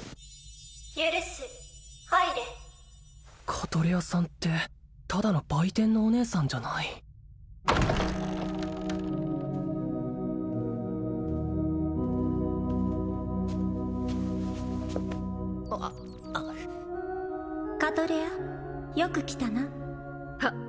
許す入れカトレアさんってただの売店のお姉さんじゃないカトレアよく来たなはっ